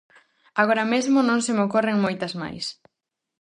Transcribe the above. Agora mesmo non se me ocorren moitas máis.